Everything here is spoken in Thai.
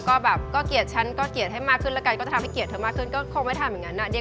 เขาลองเป้าหมายเกลียดให้ทุกคนมากกว่าเดิม